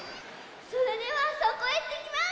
それではそこへいってきます！